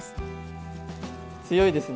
強いですね